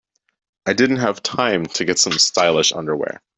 I didn't have time to get some stylish underwear.